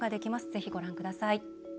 ぜひご覧ください。